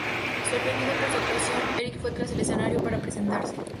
Sorprendido por su actuación, Eric fue tras el escenario para presentarse.